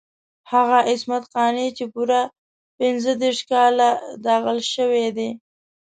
هغه عصمت قانع چې پوره پنځه دېرش کاله داغل شوی دی.